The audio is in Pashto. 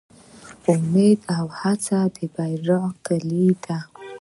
امید او هڅه د بریا کیلي ده